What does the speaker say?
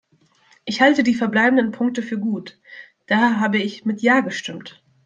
Ich halte die verbleibenden Punkte für gut, daher habe ich mit "Ja" gestimmt.